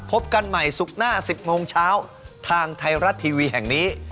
พบกันใหม่ศุกร์หน้า๑๐โมงเช้าทางไทยรัฐทีวีแห่งนี้